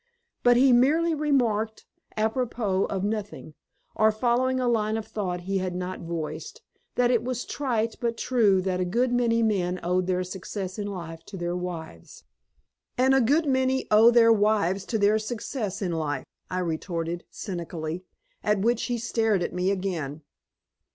But he merely remarked apropos of nothing, or following a line of thought he had not voiced, that it was trite but true that a good many men owed their success in life to their wives. "And a good many owe their wives to their success in life," I retorted cynically. At which he stared at me again.